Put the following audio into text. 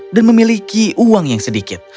memiliki uang yang sedikit